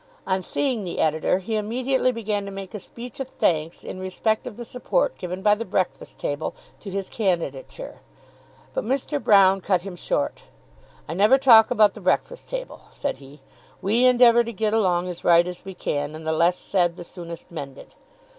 On seeing the Editor he immediately began to make a speech of thanks in respect of the support given by the "Breakfast Table" to his candidature. But Mr. Broune cut him short. "I never talk about the 'Breakfast Table,'" said he. "We endeavour to get along as right as we can, and the less said the soonest mended."